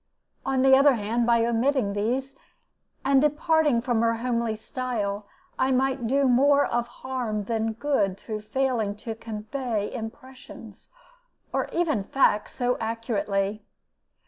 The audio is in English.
On the other hand, by omitting these, and departing from her homely style, I might do more of harm than good through failing to convey impressions, or even facts, so accurately.